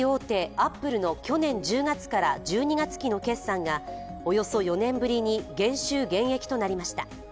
アップルの去年１０月から１２月期の決算がおよそ４年ぶりに減収減益となりました。